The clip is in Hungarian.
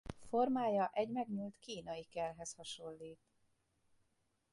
Formája egy megnyúlt kínai kelhez hasonlít.